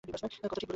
কথা ঠিক বলেছিস।